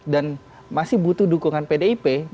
dan masih butuh dukungan pdip